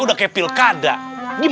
dadah aja pasti kita nih